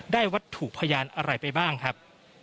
วัตถุพยานอะไรไปบ้างครับ